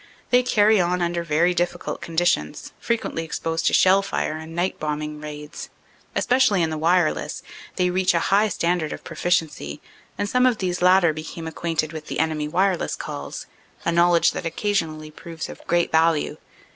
They "carry on" under very difficult conditions, fre quently exposed to shell fire and night bombing raids. Espe cially in the wireless, they reach a high standard of proficiency and some of these latter become acquainted with the enemy wireless calls, a knowledge that occasionally proves of great value.